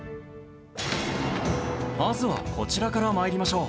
まずはこちらから参りましょう。